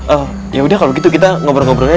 oh ya udah kalau begitu kita ngobrol ngobrolnya